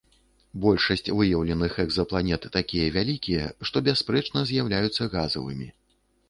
Большасць выяўленых экзапланет такія вялікія, што бясспрэчна з'яўляюцца газавымі.